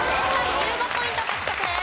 １５ポイント獲得です。